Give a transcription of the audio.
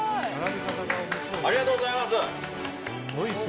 ありがとうございます。